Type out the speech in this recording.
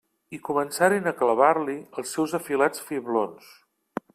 I començaren a clavar-li els seus afilats fiblons.